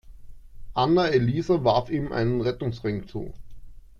Anna-Elisa warf ihm einen Rettungsring zu.